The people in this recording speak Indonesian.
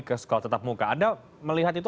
ke sekolah tetap muka anda melihat itu